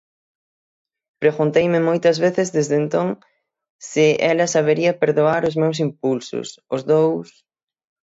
Pregunteime moitas veces desde entón se ela sabería perdoar os meus impulsos, os dous...